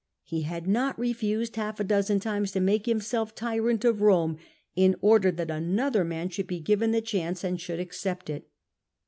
He had not refused half a dojsen times to make himself tyrant of Rome, in order that another man should be given the chance and should accept it.